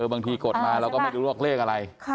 บางทีกดมาแล้วก็ไม่รู้ว่าเลขอะไร